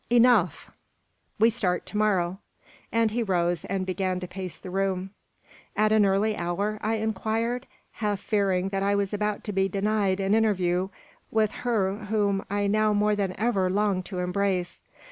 "Enough. We start to morrow." And he rose, and began to pace the room. "At an early hour?" I inquired, half fearing that I was about to be denied an interview with her whom I now more than ever longed to embrace.